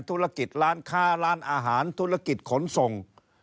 ธุรกิจร้านค้าร้านอาหารธุรกิจขนส่ง